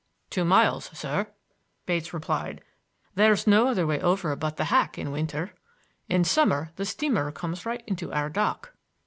"Two miles, sir," Bates replied. "There's no way over but the hack in winter. In summer the steamer comes right into our dock."